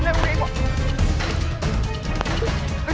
ไม่มีอะไรเลย